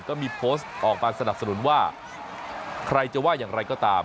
ก็มีโพสต์ออกมาสนับสนุนว่าใครจะว่าอย่างไรก็ตาม